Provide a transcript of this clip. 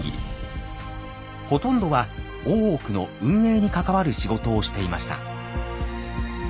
ほとんどは大奥の運営に関わる仕事をしていました。